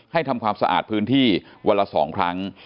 ทำความสะอาดพื้นที่วันละ๒ครั้ง